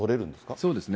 そうですね。